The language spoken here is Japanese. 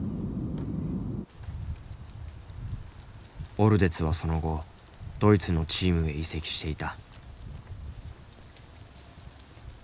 オルデツはその後ドイツのチームへ移籍していた。